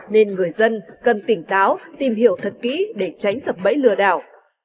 nên người dân cần tỉnh táo tìm hiểu thật kỹ để tránh sập bẫy lừa đảo